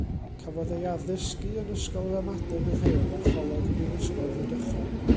Cafodd ei addysgu yn Ysgol Ramadeg y Rhyl a Choleg y Brifysgol Rhydychen.